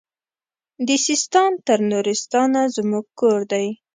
له سیستان تر نورستانه زموږ کور دی